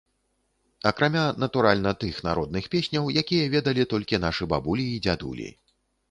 Акрамя, натуральна, тых народных песняў, якія ведалі толькі нашы бабулі і дзядулі.